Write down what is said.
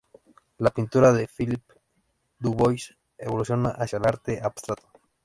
La pintura de Philippe Dubois evoluciona hacia el arte abstracto.